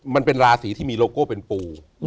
มันเป็นราศีที่มีโลโก้เป็นปู